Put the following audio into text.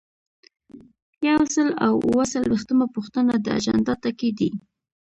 یو سل او اووه څلویښتمه پوښتنه د اجنډا ټکي دي.